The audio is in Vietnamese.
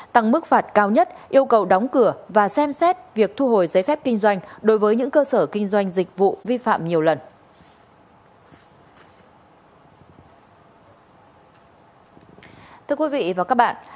tăng mức phạt cao nhất yêu cầu đóng cửa và xem xét việc thu hồi giấy phép kinh doanh đối với những cơ sở kinh doanh dịch vụ vi phạm nhiều lần